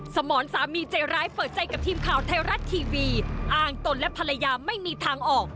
สมรสามีใจร้ายเปิดใจกับทีมข่าวไทยรัฐทีวีอ้างตนและภรรยาไม่มีทางออก